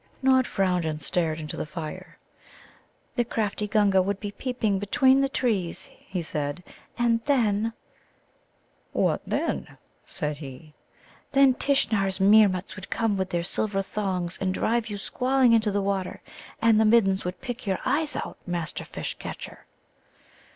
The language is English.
Nod frowned and stared into the fire. "The crafty Gunga would be peeping between the trees," he said, "and then " "What then?" said he. "Then Tishnar's Meermuts would come with their silver thongs and drive you squalling into the water. And the Middens would pick your eyes out, Master Fish catcher."